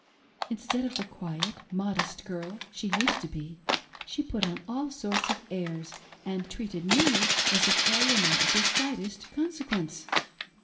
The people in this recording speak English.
Instead of the quiet, modest girl she used to be, she put on all sorts of airs, and treated me as if I were of not the slightest consequence.